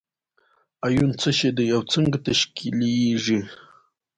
ایون څه شی دی او څنګه تشکیلیږي؟